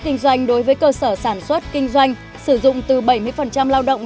kinh doanh đối với cơ sở sản xuất kinh doanh sử dụng từ bảy mươi lao động